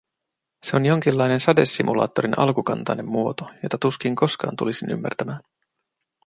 Se on jonkinlainen sadesimulaattorin alkukantainen muoto, jota tuskin koskaan tulisin ymmärtämään.